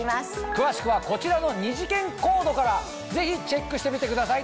詳しくはこちらの２次元コードからぜひチェックしてみてください。